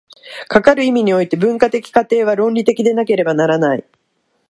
かかる意味において、文化的過程は倫理的でなければならない。